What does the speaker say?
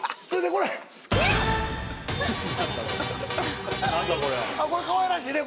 これかわいらしいね。